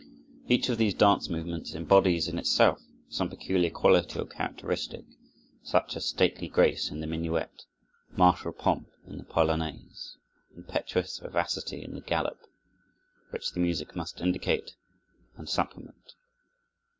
Each of these dance movements embodies in itself some peculiar quality or characteristic, such as stately grace in the minuet, martial pomp in the polonaise, impetuous vivacity in the galop, which the music must indicate and supplement.